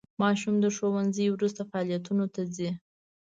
ماشوم د ښوونځي وروسته فعالیتونو ته ځي.